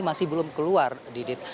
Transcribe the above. masih belum keluar didit